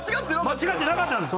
間違ってなかったんです。